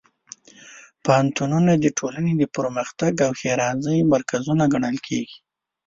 پوهنتونونه د ټولنې د پرمختګ او ښېرازۍ مرکزونه ګڼل کېږي.